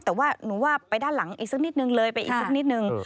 แต่ว่าหนูว่าไปด้านหลังอีกสักนิดนึงเลยไปอีกสักนิดนึง